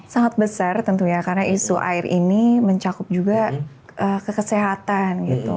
sangat besar tentunya karena isu air ini mencakup juga ke kesehatan gitu